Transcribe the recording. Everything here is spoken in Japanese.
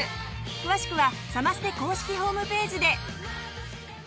詳しくはサマステ公式ホームページで。